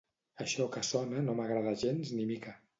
Això que sona no m'agrada gens ni mica.